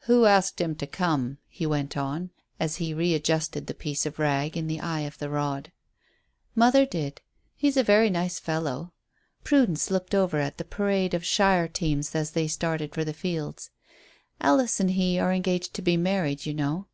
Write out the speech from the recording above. "Who asked him to come?" he went on, as he re adjusted the piece of rag in the eye of the rod. "Mother did. He's a very nice fellow." Prudence looked over at the parade of "Shire" teams as they started for the fields. "Alice and he are engaged to be married, you know."